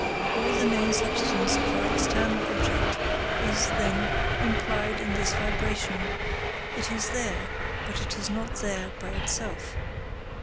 All the known substance of the external object is, then, implied in this vibration; it is there, but it is not there by itself.